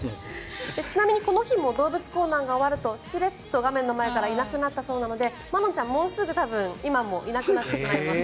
ちなみにこの日も動物コーナーが終わるとしれっとテレビの前からいなくなったそうなのでまろんちゃん、もうすぐ多分今もいなくなってしまいます。